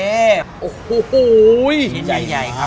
โอ้โหแย่เย็นมากมากของเราชิ้นใหญ่มาก